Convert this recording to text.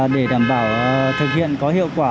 để đảm bảo thực hiện có hiệu quả